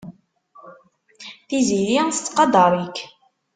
Tiziri tettqadar-ik.